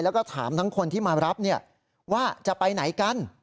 แล้วก็ถามทั้งคนที่มารับว่าจะไปไหนกัน